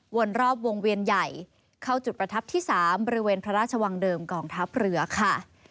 รอบวงเวียนใหญ่เข้าจุดประทับที่๓บริเวณพระราชวังเดิมกองทัพเรือค่ะ